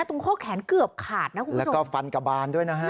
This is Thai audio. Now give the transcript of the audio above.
ตรงโค้กแขนเกือบขาดนะแล้วก็ฟันกระบานด้วยนะฮะ